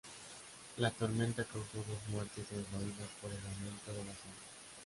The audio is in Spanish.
La tormenta causó dos muertes en Florida por el aumento de las olas.